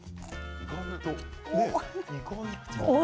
意外と。